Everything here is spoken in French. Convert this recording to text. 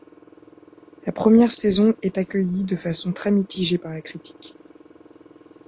La première saison est accueillie de façon très mitigée par la critique.